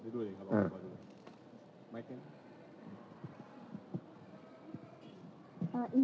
dua ya kalau aku mau dulu